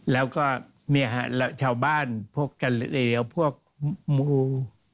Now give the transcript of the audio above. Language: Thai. แล้วก็เนี่ยชาวบ้านพวกกัลเลียพวกมู